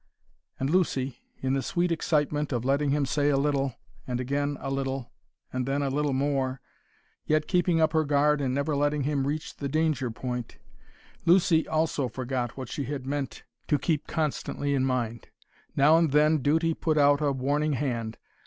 And Lucy, in the sweet excitement of letting him say a little, and again a little, and then a little more, yet keeping up her guard and never letting him reach the danger point, Lucy also forgot what she had meant to keep constantly in mind. Now and then duty put out a warning hand.